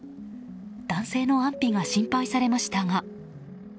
男性の安否が心配されましたが。